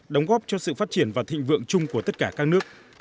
đóng góp cho sự phát triển và thịnh vượng chung của tất cả các nước